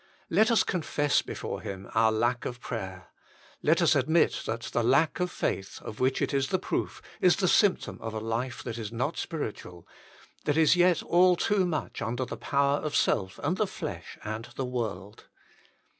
Let us con fess before Him our lack of prayer. Let us admit that the lack of faith, of which it is the proof, is the symptom of a life that is not spiritual, that is yet all too much under the power of self and the flesh and the world.